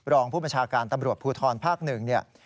รองผู้บัญชาการตำรวจภูทรภาค๑เนี่ย